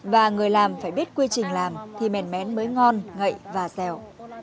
và người làm phải biết quy trình làm thì mèn mén mới ngon gậy và dẻo